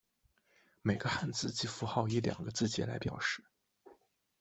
每个汉字及符号以两个字节来表示。